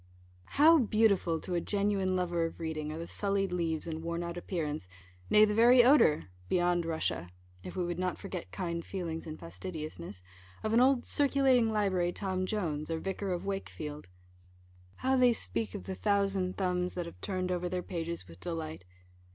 How beautiful to a genuine lover of reading are the sullied leaves, and worn out appearance, nay, the very odour (beyond Russia), if we would not forget kind feelings in fastidiousness, of an old "Circulating Library" Tom Jones, or Vicar of Wakefield! How they speak of the thousand thumbs, that have turned over their pages with delight!